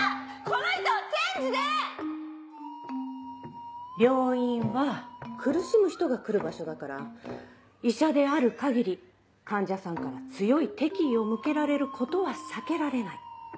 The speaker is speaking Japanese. この人チェン病院は苦しむ人が来る場所だから医者である限り患者さんから強い敵意を向けられることは避けられない。